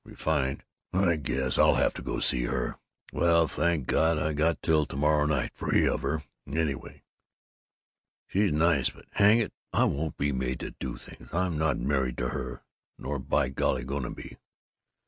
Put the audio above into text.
Refined. I guess I'll have to go see her. Well, thank God, I got till to morrow night free of her, anyway. "She's nice but Hang it, I won't be made to do things! I'm not married to her. No, nor by golly going to be!